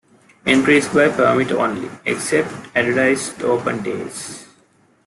Entry is by permit only, except on advertised open days.